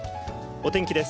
お天気です。